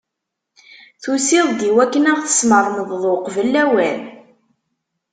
Tusiḍ-d iwakken ad ɣ-tesmeremdeḍ uqbel lawan?